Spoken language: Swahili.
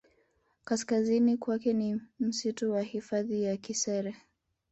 Kaskazini kwake ni msitu wa hifadhi ya Kisere